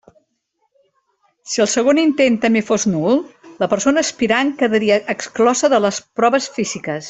Si el segon intent també fos nul, la persona aspirant quedaria exclosa de les proves físiques.